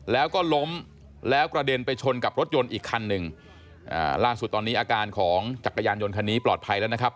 แล้วก็ล้มแล้วกระเด็นไปชนกับรถยนต์อีกคันหนึ่งอ่าล่าสุดตอนนี้อาการของจักรยานยนต์คันนี้ปลอดภัยแล้วนะครับ